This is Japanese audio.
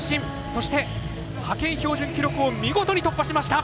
そして、派遣標準記録を見事に突破しました！